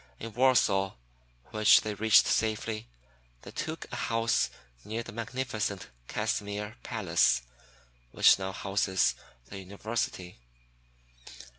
In Warsaw, which they reached safely, they took a house near the magnificent Casimr Palace which now houses the University.